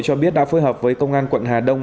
cho biết đã phối hợp với công an quận hà đông